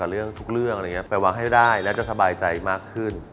เรื่องทุกเรื่องอะไรอย่างนี้ไปวางให้ได้แล้วจะสบายใจมากขึ้น